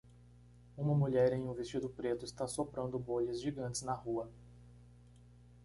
Uma mulher em um vestido preto está soprando bolhas gigantes na rua.